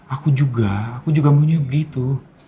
aku juga aku juga mau nyuruh begitu